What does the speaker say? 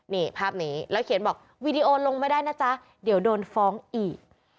นี่ภาพนี้แล้วเขียนบอกวีดีโอลงไม่ได้นะจ๊ะเดี๋ยวโดนฟ้องอีก